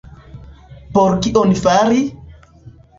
Por kion fari?